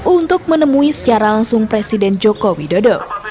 untuk menemui secara langsung presiden joko widodo